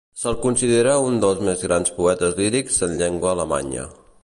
Se'l considera un dels més grans poetes lírics en llengua alemanya.